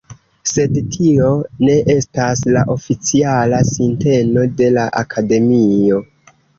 Sed tio ne estas la oficiala sinteno de la Akademio.